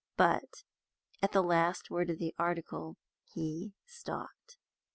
But at the last word of the article he stopped.